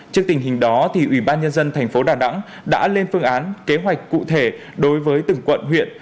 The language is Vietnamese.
trước tình hình đó thì ubnd tp hcm đã lên phương án kế hoạch cụ thể đối với từng quận huyện